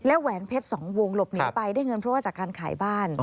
แหวนเพชรสองวงหลบหนีไปได้เงินเพราะว่าจากการขายบ้าน